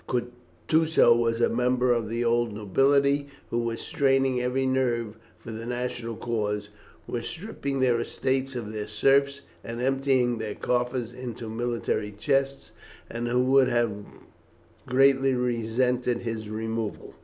Kutusow was a member of the old nobility, who were straining every nerve for the national cause, were stripping their estates of their serfs, and emptying their coffers into the military chests, and who would have greatly resented his removal.